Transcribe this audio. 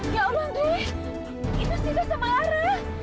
ya allah drei itu sita sama lara